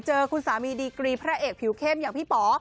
เจอคุณสามีดีกรีพระเอกผิวเข้มอย่างพี่ป๋อ